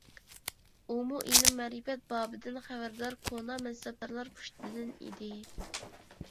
ئۇمۇ ئىلىم - مەرىپەت بابىدىن خەۋەردار كونا مەنسەپدارلار پۇشتىدىن ئىدى.